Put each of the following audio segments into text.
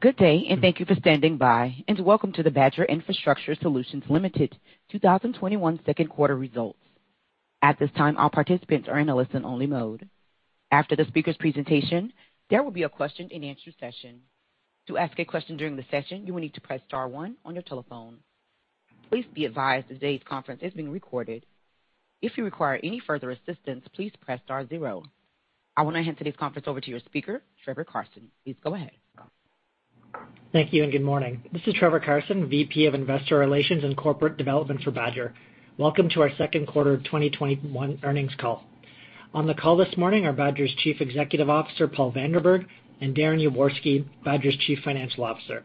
Good day, thank you for standing by, welcome to the Badger Infrastructure Solutions Ltd. 2021 second quarter results. At this time, all participants are in listen only mode. After the speaker's presentation, there will be a question-and-answer session. To ask a question during the session, you will need to press star one on your telephone. Please be advised today's conference is being recorded. If you require any further assistance, please press star zero. I want to hand today's conference over to your speaker, Trevor Carson. Please go ahead. Thank you, and good morning. This is Trevor Carson, VP of Investor Relations and Corporate Development for Badger. Welcome to our second quarter 2021 earnings call. On the call this morning are Badger's Chief Executive Officer, Paul Vanderberg, and Darren Yaworsky, Badger's Chief Financial Officer.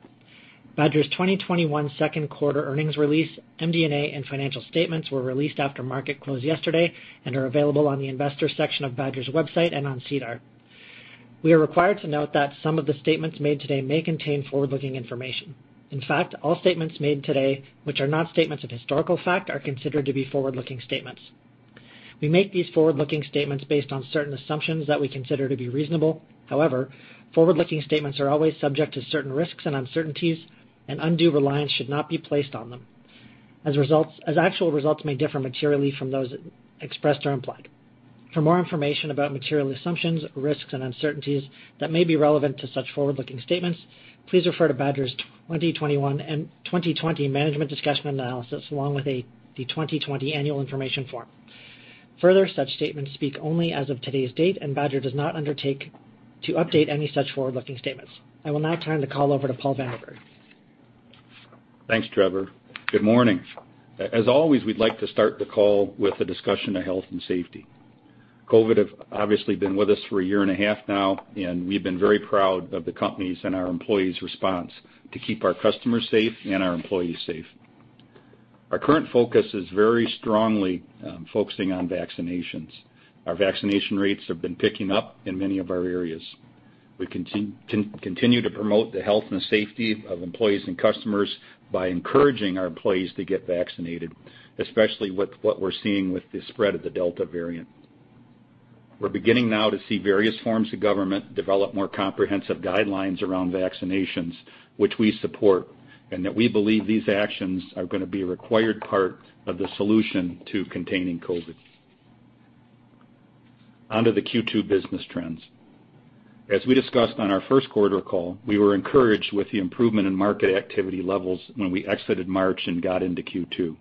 Badger's 2021 second quarter earnings release, MD&A, and financial statements were released after market close yesterday and are available on the investors section of Badger's website and on SEDAR. We are required to note that some of the statements made today may contain forward-looking information. In fact, all statements made today, which are not statements of historical fact, are considered to be forward-looking statements. We make these forward-looking statements based on certain assumptions that we consider to be reasonable. Forward-looking statements are always subject to certain risks and uncertainties, and undue reliance should not be placed on them, as actual results may differ materially from those expressed or implied. For more information about material assumptions, risks, and uncertainties that may be relevant to such forward-looking statements, please refer to Badger's 2021 and 2020 management discussion and analysis, along with the 2020 annual information form. Such statements speak only as of today's date, and Badger does not undertake to update any such forward-looking statements. I will now turn the call over to Paul Vanderberg. Thanks, Trevor. Good morning. As always, we'd like to start the call with a discussion of health and safety. COVID has obviously been with us for a year and a half now, and we've been very proud of the company's and our employees' response to keep our customers safe and our employees safe. Our current focus is very strongly focusing on vaccinations. Our vaccination rates have been picking up in many of our areas. We continue to promote the health and safety of employees and customers by encouraging our employees to get vaccinated, especially with what we're seeing with the spread of the Delta variant. We're beginning now to see various forms of government develop more comprehensive guidelines around vaccinations, which we support, and that we believe these actions are going to be a required part of the solution to containing COVID. On to the Q2 business trends. As we discussed on our first quarter call, we were encouraged with the improvement in market activity levels when we exited March and got into Q2.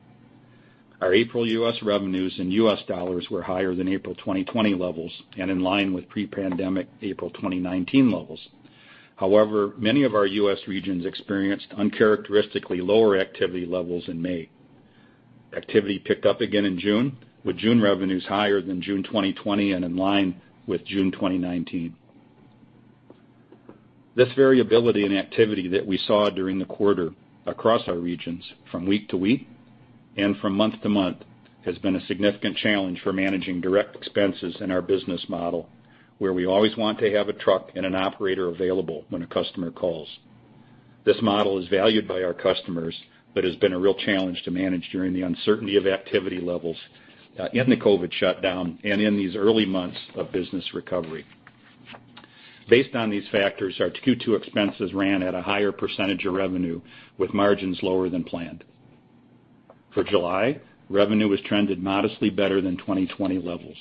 Our April U.S. revenues in U.S. dollars were higher than April 2020 levels and in line with pre-pandemic April 2019 levels. However, many of our U.S. regions experienced uncharacteristically lower activity levels in May. Activity picked up again in June, with June revenues higher than June 2020 and in line with June 2019. This variability in activity that we saw during the quarter across our regions from week to week and from month to month has been a significant challenge for managing direct expenses in our business model, where we always want to have a truck and an operator available when a customer calls. This model is valued by our customers but has been a real challenge to manage during the uncertainty of activity levels in the COVID shutdown and in these early months of business recovery. Based on these factors, our Q2 expenses ran at a higher percentage of revenue, with margins lower than planned. For July, revenue has trended modestly better than 2020 levels.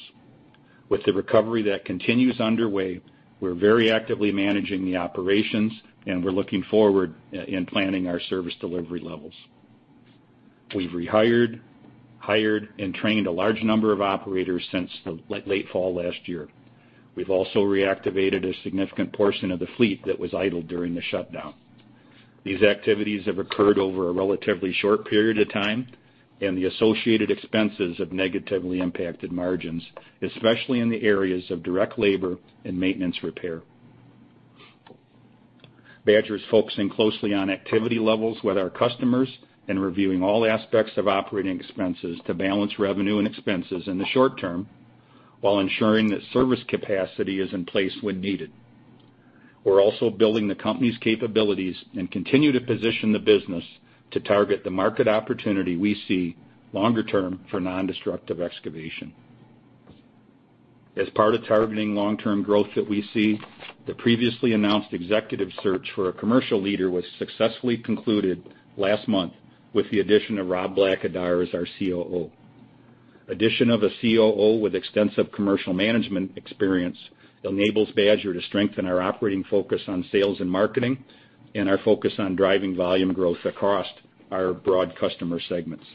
With the recovery that continues underway, we're very actively managing the operations, and we're looking forward in planning our service delivery levels. We've rehired, hired, and trained a large number of operators since late fall last year. We've also reactivated a significant portion of the fleet that was idled during the shutdown. These activities have occurred over a relatively short period of time, and the associated expenses have negatively impacted margins, especially in the areas of direct labor and maintenance repair. Badger is focusing closely on activity levels with our customers and reviewing all aspects of operating expenses to balance revenue and expenses in the short-term while ensuring that service capacity is in place when needed. We're also building the company's capabilities and continue to position the business to target the market opportunity we see longer term for nondestructive excavation. As part of targeting long-term growth that we see, the previously announced executive search for a commercial leader was successfully concluded last month with the addition of Rob Blackadar as our COO. Addition of a COO with extensive commercial management experience enables Badger to strengthen our operating focus on sales and marketing and our focus on driving volume growth across our broad customer segments.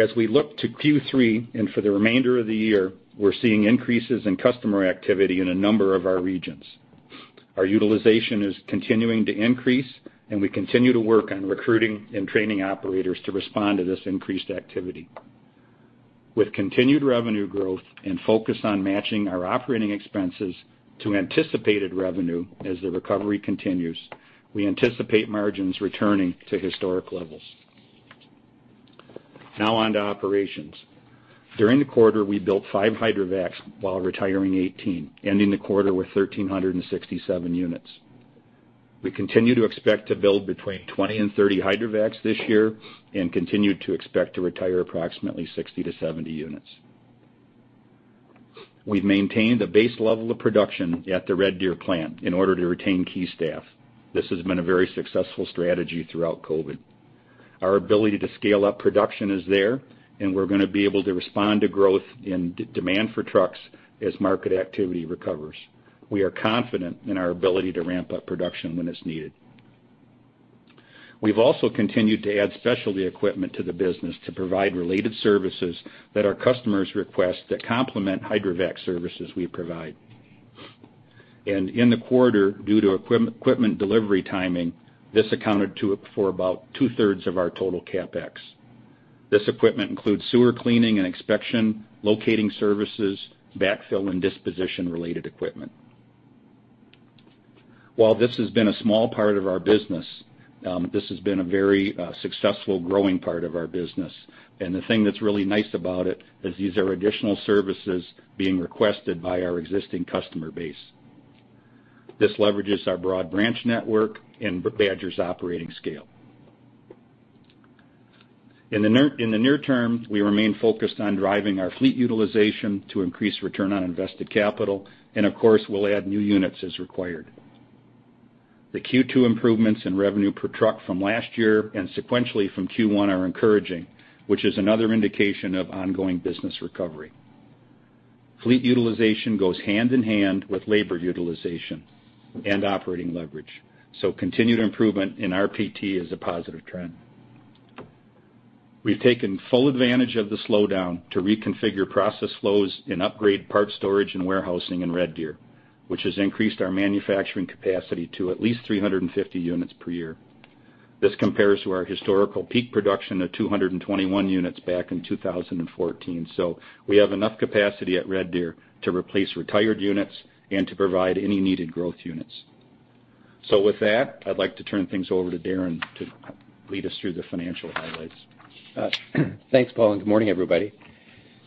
As we look to Q3 and for the remainder of the year, we're seeing increases in customer activity in a number of our regions. Our utilization is continuing to increase. We continue to work on recruiting and training operators to respond to this increased activity. With continued revenue growth and focus on matching our operating expenses to anticipated revenue as the recovery continues, we anticipate margins returning to historic levels. Now on to operations. During the quarter, we built five hydrovacs while retiring 18, ending the quarter with 1,367 units. We continue to expect to build between 20 and 30 hydrovacs this year and continue to expect to retire approximately 60 -70 units. We've maintained a base level of production at the Red Deer plant in order to retain key staff. This has been a very successful strategy throughout COVID. Our ability to scale up production is there. We're going to be able to respond to growth in demand for trucks as market activity recovers. We are confident in our ability to ramp up production when it's needed. We've also continued to add specialty equipment to the business to provide related services that our customers request that complement hydrovac services we provide. In the quarter, due to equipment delivery timing, this accounted for about two-thirds of our total CapEx. This equipment includes sewer cleaning and inspection, locating services, backfill and disposition-related equipment. While this has been a small part of our business, this has been a very successful growing part of our business. The thing that's really nice about it is these are additional services being requested by our existing customer base. This leverages our broad branch network and Badger's operating scale. In the near term, we remain focused on driving our fleet utilization to increase return on invested capital, and of course, we'll add new units as required. The Q2 improvements in revenue per truck from last year and sequentially from Q1 are encouraging, which is another indication of ongoing business recovery. Fleet utilization goes hand in hand with labor utilization and operating leverage, continued improvement in RPT is a positive trend. We've taken full advantage of the slowdown to reconfigure process flows and upgrade part storage and warehousing in Red Deer, which has increased our manufacturing capacity to at least 350 units per year. This compares to our historical peak production of 221 units back in 2014. We have enough capacity at Red Deer to replace retired units and to provide any needed growth units. With that, I'd like to turn things over to Darren to lead us through the financial highlights. Thanks, Paul. Good morning, everybody.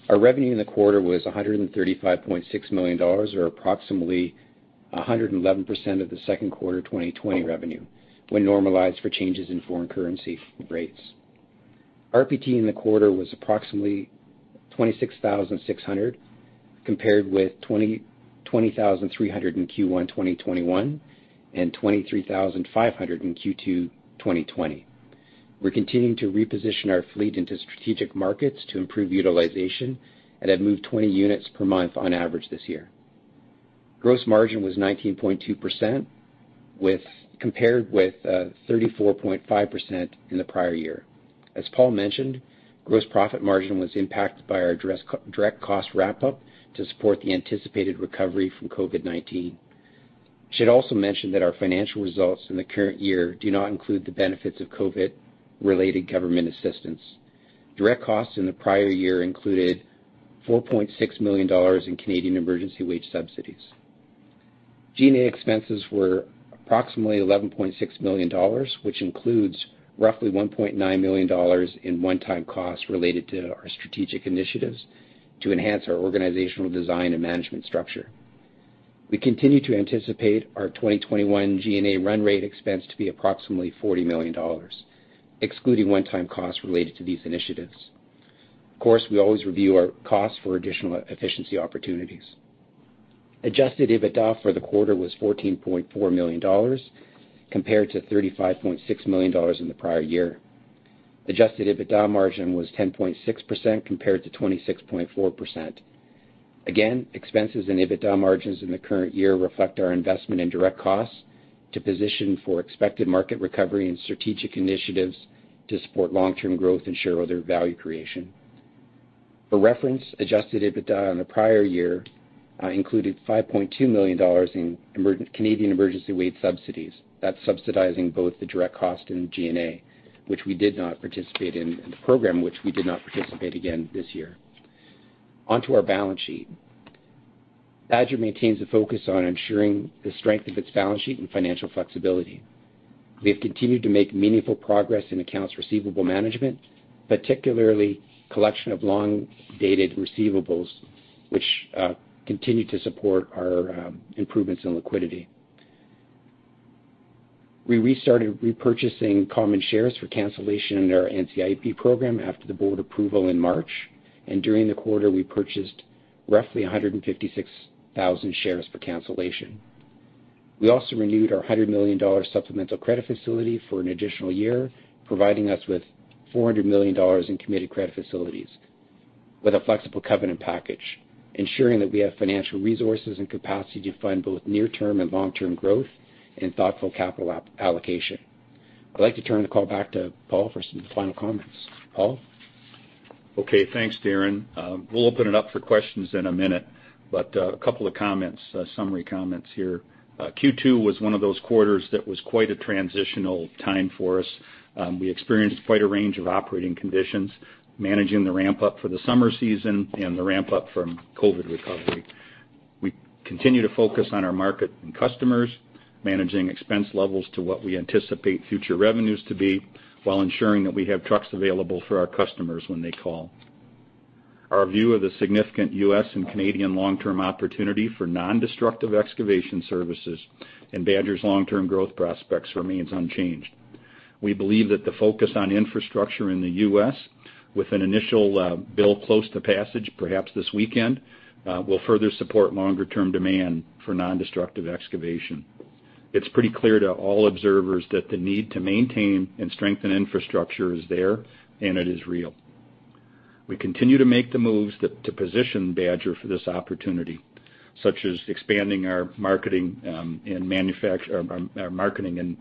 Our revenue in the quarter was 135.6 million dollars or approximately 111% of the second quarter 2020 revenue when normalized for changes in foreign currency rates. RPT in the quarter was approximately 26,600 compared with 20,300 in Q1 2021 and 23,500 in Q2 2020. We're continuing to reposition our fleet into strategic markets to improve utilization and have moved 20 units per month on average this year. Gross margin was 19.2% compared with 34.5% in the prior year. As Paul mentioned, gross profit margin was impacted by our direct cost wrap-up to support the anticipated recovery from COVID-19. I should also mention that our financial results in the current year do not include the benefits of COVID-related government assistance. Direct costs in the prior year included 4.6 million dollars in Canadian emergency wage subsidies. G&A expenses were approximately 11.6 million dollars, which includes roughly 1.9 million dollars in one-time costs related to our strategic initiatives to enhance our organizational design and management structure. We continue to anticipate our 2021 G&A run rate expense to be approximately 40 million dollars, excluding one-time costs related to these initiatives. Of course, we always review our costs for additional efficiency opportunities. Adjusted EBITDA for the quarter was 14.4 million dollars compared to 35.6 million dollars in the prior year. Adjusted EBITDA margin was 10.6% compared to 26.4%. Again, expenses and EBITDA margins in the current year reflect our investment in direct costs to position for expected market recovery and strategic initiatives to support long-term growth and shareholder value creation. For reference, adjusted EBITDA on the prior year included 5.2 million dollars in Canadian emergency wage subsidies. That's subsidizing both the direct cost and G&A, which we did not participate in. The program which we did not participate again this year. On to our balance sheet. Badger maintains a focus on ensuring the strength of its balance sheet and financial flexibility. We have continued to make meaningful progress in accounts receivable management, particularly collection of long-dated receivables, which continue to support our improvements in liquidity. We restarted repurchasing common shares for cancellation in our NCIB program after the board approval in March. During the quarter, we purchased roughly 156,000 shares for cancellation. We also renewed our 100 million dollar supplemental credit facility for an additional year, providing us with 400 million dollars in committed credit facilities with a flexible covenant package, ensuring that we have financial resources and capacity to fund both near-term and long-term growth and thoughtful capital allocation. I'd like to turn the call back to Paul for some final comments. Paul? Okay. Thanks, Darren. We'll open it up for questions in a minute, but a couple of summary comments here. Q2 was one of those quarters that was quite a transitional time for us. We experienced quite a range of operating conditions, managing the ramp-up for the summer season and the ramp-up from COVID recovery. We continue to focus on our market and customers, managing expense levels to what we anticipate future revenues to be, while ensuring that we have trucks available for our customers when they call. Our view of the significant U.S. and Canadian long-term opportunity for non-destructive excavation services and Badger's long-term growth prospects remains unchanged. We believe that the focus on infrastructure in the U.S., with an initial bill close to passage, perhaps this weekend, will further support longer-term demand for non-destructive excavation. It's pretty clear to all observers that the need to maintain and strengthen infrastructure is there, and it is real. We continue to make the moves to position Badger for this opportunity, such as expanding our marketing and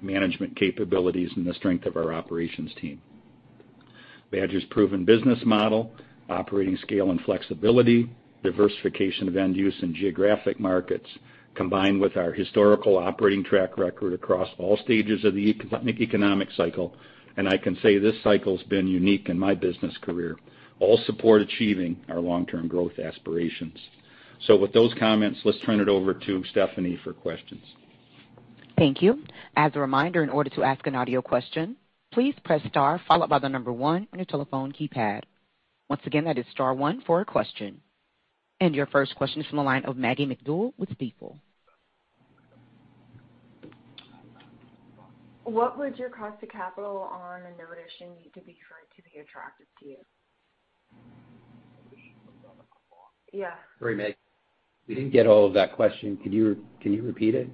management capabilities and the strength of our operations team. Badger's proven business model, operating scale and flexibility, diversification of end use and geographic markets, combined with our historical operating track record across all stages of the economic cycle, and I can say this cycle's been unique in my business career, all support achieving our long-term growth aspirations. With those comments, let's turn it over to Stephanie for questions. Thank you. As a reminder, in order to ask an audio question, please press star followed by one on your telephone keypad. Once again, that is star 1 for a question. Your first question is from the line of Maggie MacDougall with Stifel. What would your cost to capital on a new addition need to be for it to be attractive to you? Yeah. Sorry, Maggie. We didn't get all of that question. Can you repeat it?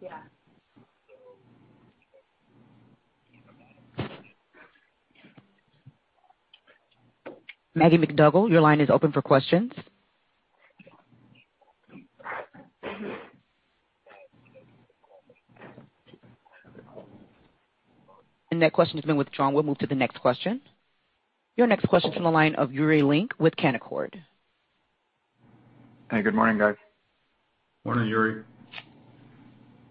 Yeah. Maggie MacDougall, your line is open for questions. That question has been withdrawn. We'll move to the next question. Your next question is from the line of Yuri Lynk with Canaccord. Hey, good morning, guys. Morning, Yuri.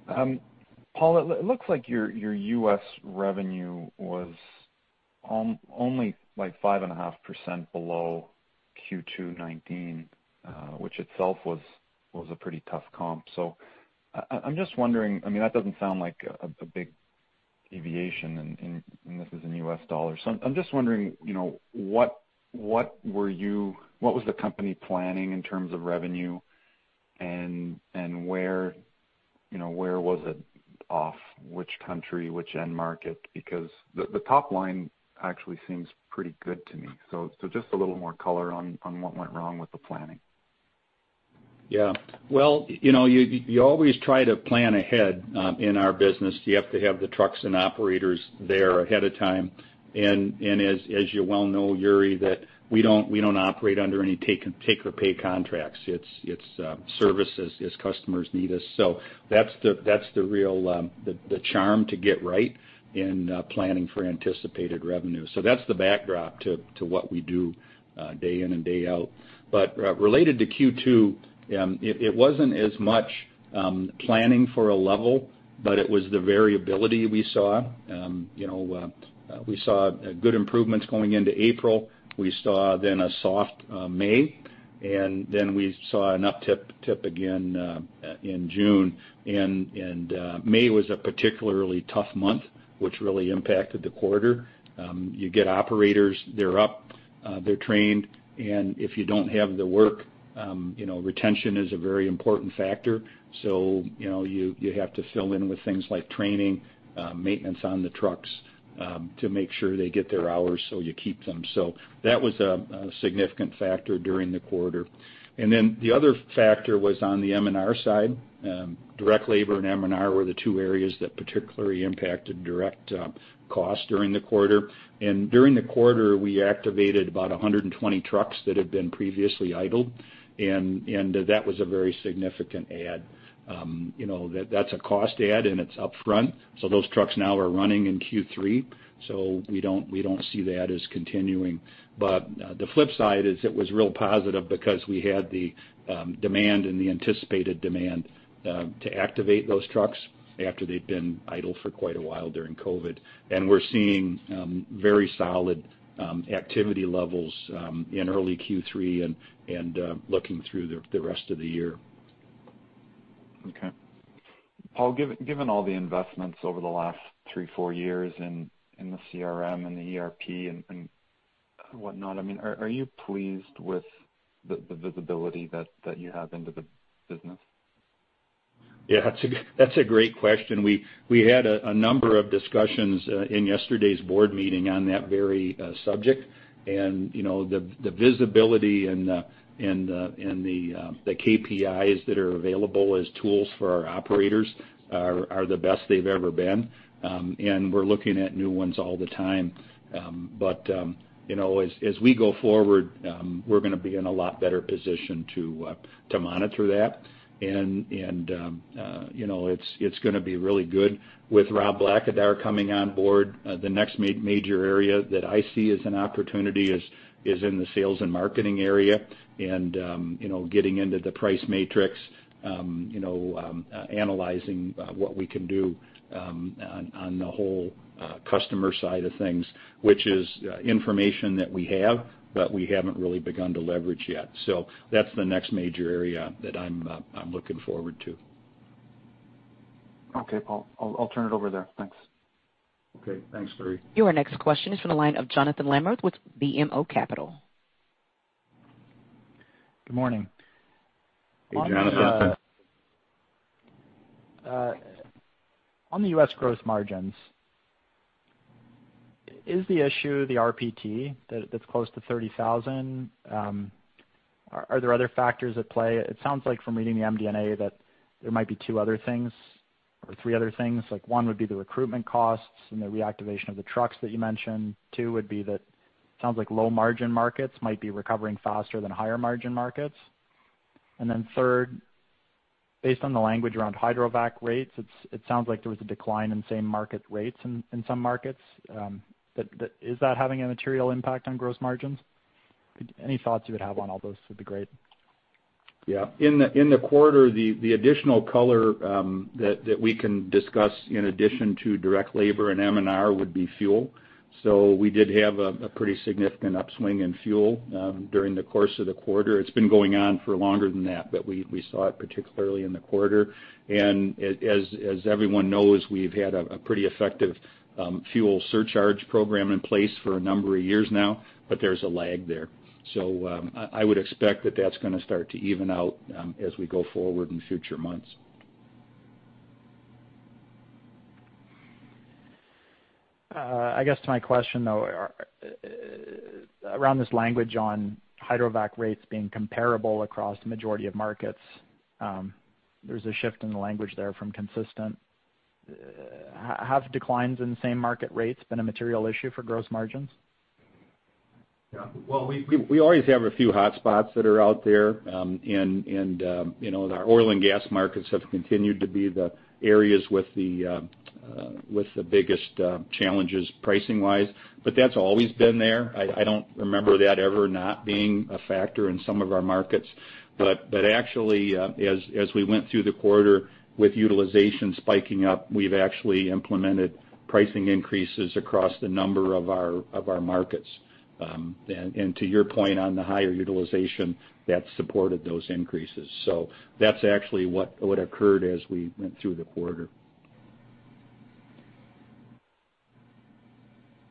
Paul, it looks like your US revenue was only 5.5% below Q2 '19, which itself was a pretty tough comp. I'm just wondering, that doesn't sound like a big deviation, and this is in US dollars. I'm just wondering, what was the company planning in terms of revenue and where was it off? Which country? Which end market? The top line actually seems pretty good to me. Just a little more color on what went wrong with the planning. Yeah. Well, you always try to plan ahead in our business. You have to have the trucks and operators there ahead of time. As you well know, Yuri, that we don't operate under any take or pay contracts. It's services as customers need us. That's the charm to get right in planning for anticipated revenue. That's the backdrop to what we do day in and day out. Related to Q2, it wasn't as much planning for a level, but it was the variability we saw. We saw good improvements going into April. We saw then a soft May, and then we saw an uptick again in June. May was a particularly tough month, which really impacted the quarter. You get operators, they're up, they're trained, and if you don't have the work, retention is a very important factor. You have to fill in with things like training, maintenance on the trucks, to make sure they get their hours so you keep them. That was a significant factor during the quarter. The other factor was on the M&R side. Direct labor and M&R were the two areas that particularly impacted direct cost during the quarter. During the quarter, we activated about 120 trucks that had been previously idled, and that was a very significant add. That's a cost add, and it's upfront. Those trucks now are running in Q3. We don't see that as continuing. The flip side is it was real positive because we had the demand and the anticipated demand to activate those trucks after they'd been idle for quite a while during COVID. We're seeing very solid activity levels in early Q3 and looking through the rest of the year. Okay. Paul, given all the investments over the last three, four years in the CRM and the ERP and whatnot, are you pleased with the visibility that you have into the business? Yeah, that's a great question. We had a number of discussions in yesterday's board meeting on that very subject. The visibility and the KPIs that are available as tools for our operators are the best they've ever been. We're looking at new ones all the time. As we go forward, we're going to be in a lot better position to monitor that. It's going to be really good with Rob Blackadar coming on board. The next major area that I see as an opportunity is in the sales and marketing area and getting into the price matrix, analyzing what we can do on the whole customer side of things, which is information that we have, but we haven't really begun to leverage yet. That's the next major area that I'm looking forward to. Okay, Paul. I'll turn it over there. Thanks. Okay. Thanks, Yuri. Your next question is from the line of Jonathan Lamers with BMO Capital. Good morning. Hey, Jonathan. On the U.S. gross margins, is the issue the RPT that's close to 30,000? Are there other factors at play? It sounds like from reading the MD&A that there might be two other things or three other things, like one would be the recruitment costs and the reactivation of the trucks that you mentioned. Two would be that it sounds like low margin markets might be recovering faster than higher margin markets. And then third, based on the language around hydrovac rates, it sounds like there was a decline in same market rates in some markets. Is that having a material impact on gross margins? Any thoughts you would have on all those would be great. Yeah. In the quarter, the additional color that we can discuss in addition to direct labor and M&R would be fuel. We did have a pretty significant upswing in fuel during the course of the quarter. It's been going on for longer than that, but we saw it particularly in the quarter. As everyone knows, we've had a pretty effective fuel surcharge program in place for a number of years now, but there's a lag there. I would expect that that's going to start to even out as we go forward in future months. I guess to my question, though, around this language on hydrovac rates being comparable across the majority of markets. There's a shift in the language there from consistent. Have declines in same market rates been a material issue for gross margins? Yeah. Well, we always have a few hotspots that are out there. Our oil and gas markets have continued to be the areas with the biggest challenges pricing wise, but that's always been there. I don't remember that ever not being a factor in some of our markets. Actually, as we went through the quarter with utilization spiking up, we've actually implemented pricing increases across the number of our markets. To your point on the higher utilization, that supported those increases. That's actually what occurred as we went through the quarter.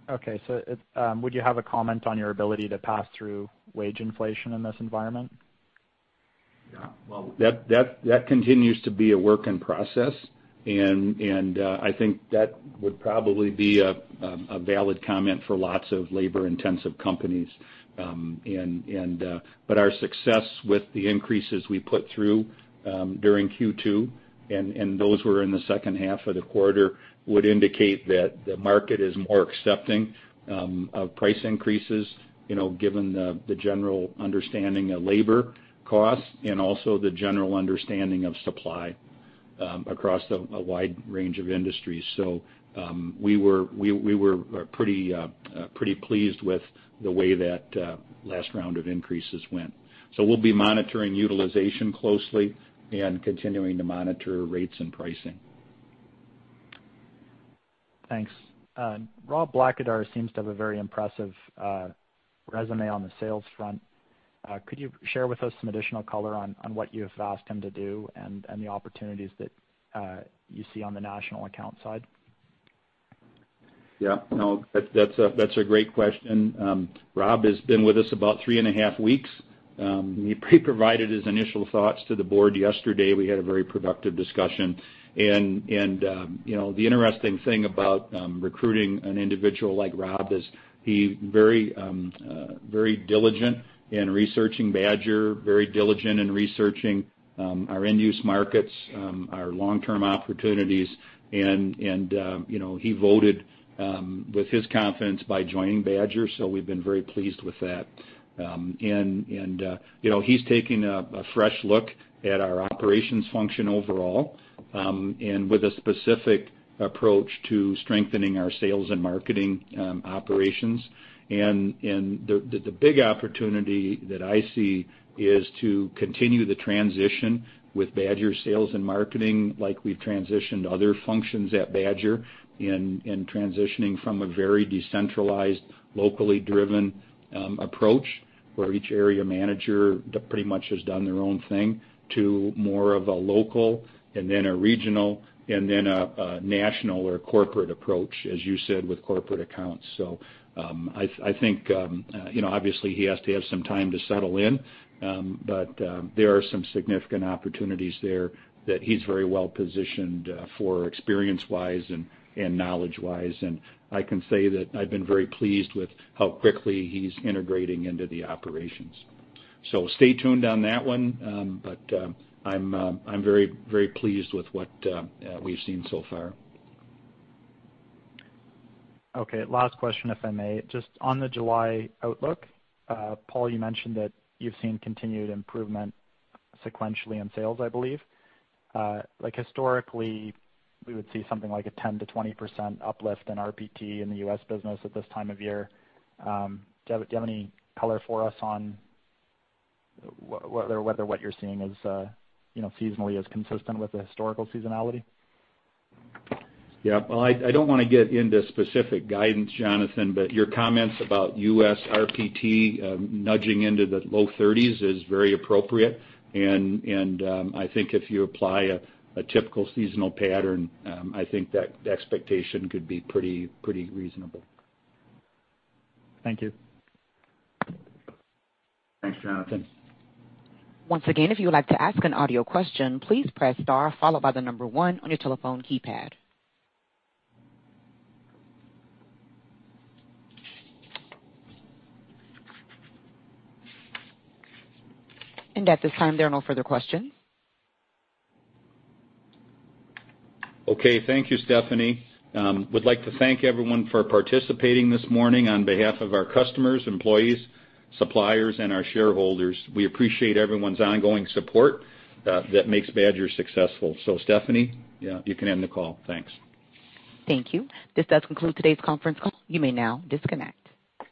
Would you have a comment on your ability to pass through wage inflation in this environment? Well, that continues to be a work in process, and I think that would probably be a valid comment for lots of labor intensive companies. Our success with the increases we put through during Q2, and those were in the second half of the quarter, would indicate that the market is more accepting of price increases, given the general understanding of labor costs and also the general understanding of supply across a wide range of industries. We were pretty pleased with the way that last round of increases went. We'll be monitoring utilization closely and continuing to monitor rates and pricing. Thanks. Rob Blackadar seems to have a very impressive resume on the sales front. Could you share with us some additional color on what you have asked him to do and the opportunities that you see on the national account side? Yeah. No, that's a great question. Rob has been with us about three and a half weeks. He provided his initial thoughts to the board yesterday. We had a very productive discussion. The interesting thing about recruiting an individual like Rob is he very diligent in researching Badger, very diligent in researching our end use markets, our long-term opportunities, and he voted with his confidence by joining Badger. We've been very pleased with that. He's taking a fresh look at our operations function overall, and with a specific approach to strengthening our sales and marketing operations. The big opportunity that I see is to continue the transition with Badger sales and marketing like we've transitioned other functions at Badger, and transitioning from a very decentralized, locally driven approach where each area manager pretty much has done their own thing, to more of a local and then a regional and then a national or corporate approach, as you said, with corporate accounts. I think obviously he has to have some time to settle in. There are some significant opportunities there that he's very well positioned for experience wise and knowledge wise, and I can say that I've been very pleased with how quickly he's integrating into the operations. Stay tuned on that one, but I'm very pleased with what we've seen so far. Okay. Last question, if I may. Just on the July outlook, Paul, you mentioned that you've seen continued improvement sequentially in sales, I believe. Like historically, we would see something like a 10%-20% uplift in RPT in the U.S. business at this time of year. Do you have any color for us on whether what you're seeing seasonally is consistent with the historical seasonality? Yeah. Well, I don't want to get into specific guidance, Jonathan, but your comments about U.S. RPT nudging into the low 30s is very appropriate. I think if you apply a typical seasonal pattern, I think that expectation could be pretty reasonable. Thank you. Thanks, Jonathan. Once again, if you would like to ask an audio question, please press star followed by the number 1 on your telephone keypad. At this time, there are no further questions. Okay. Thank you, Stephanie. Would like to thank everyone for participating this morning on behalf of our customers, employees, suppliers, and our shareholders. We appreciate everyone's ongoing support that makes Badger successful. Stephanie, you can end the call. Thanks. Thank you. This does conclude today's conference call. You may now disconnect.